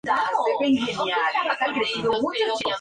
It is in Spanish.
Se trata de un aperitivo que se sirve y se come caliente.